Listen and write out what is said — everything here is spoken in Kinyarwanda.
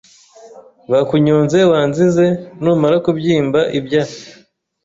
Bakunyonze wanzize Numara kubyimba ibya